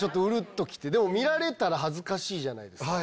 でも見られたら恥ずかしいじゃないですか。